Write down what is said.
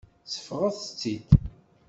Seffɣet-tt-id.